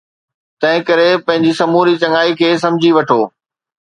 تنهن ڪري پنهنجي سموري چڱائي کي سمجهي وٺو